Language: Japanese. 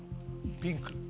ピンク。